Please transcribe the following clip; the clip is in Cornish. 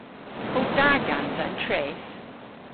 O da gansa an treth?